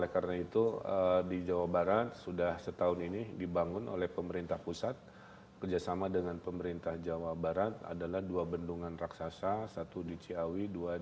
kami langsung mengonfirmasi hal ini dengan gubernur jawa barat ridwan kamil